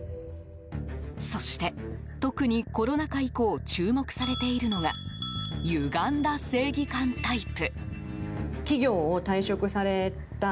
そして、特にコロナ禍以降注目されているのが歪んだ正義感タイプ。